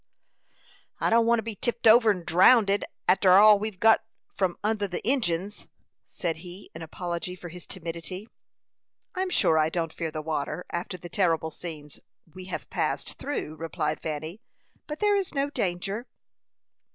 "I don't want to be tipped over and drownded, arter we've got away from the Injins," said he, in apology for his timidity. "I'm sure I don't fear the water, after the terrible scenes we have passed through," replied Fanny; "but there is no danger."